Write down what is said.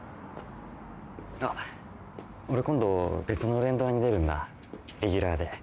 あっ俺今度別の連ドラに出るんだレギュラーで。